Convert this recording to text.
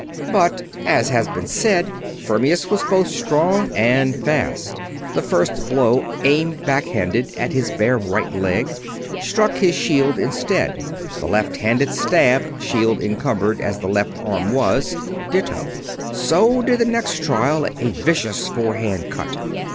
But, as has been said, Fermius was both strong and fast. The first blow, aimed backhand at his bare right leg, struck his shield instead. The left handed stab, shield encumbered as the left arm was, ditto. So did the next trial, a vicious forehand cut.